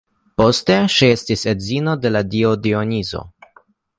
Poste ŝi estis edzino de la dio Dionizo.